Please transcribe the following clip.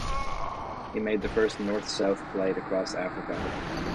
He made the first North-South flight across Africa.